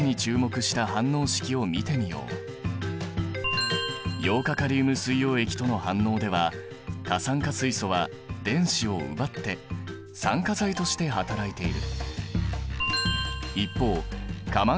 一方過マンガン酸カリウム水溶液との反応では過酸化水素は電子を出して還元剤として働いている。